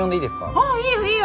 ああいいよいいよ！